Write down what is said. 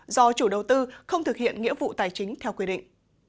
do chủ đầu tư không thực hiện nghĩa vụ tài chính theo quy định